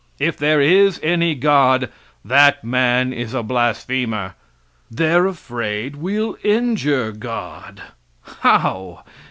If there is any God, that man is a blasphemer. They're afraid we'll injure God. How?